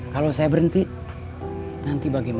kalau saya berhenti nanti bagaimana